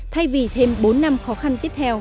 thay vì thêm bốn năm khó khăn